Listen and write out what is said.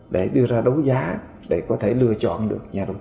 để đưa ra đấu giá để có thể lựa chọn được nhà đầu tư